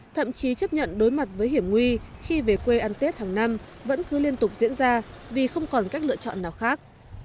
thậm chí chấp nhận đối mặt với hiểm nguy khi về quê ăn tết hàng năm vẫn cứ liên tục diễn ra vì không còn cách lựa chọn nào khác